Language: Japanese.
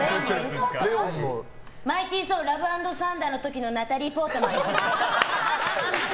「マイティーソーラブ＆サンダー」の時のナタリー・ポートマンよ。